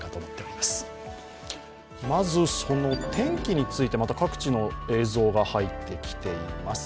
まず、その天気について、各地の映像が入ってきています。